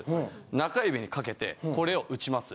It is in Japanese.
中指にかけてこれをうちます。